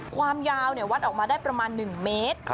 ความยาววัดออกมาได้ประมาณ๑เมตร